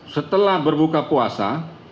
setelah berbuka puasa